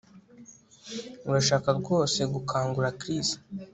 Urashaka rwose gukangura Chris